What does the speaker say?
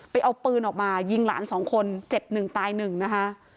เอาปืนออกมายิงหลานสองคนเจ็บหนึ่งตายหนึ่งนะคะ